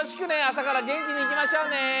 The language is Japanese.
朝からげんきにいきましょうね！